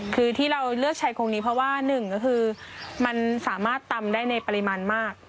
คือที่เราเลือกใช้ครกนี้เพราะว่า๑มันสามารถตำได้ในปริมาณมาก